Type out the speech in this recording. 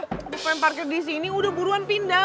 gue pengen parkir di sini udah buruan pindah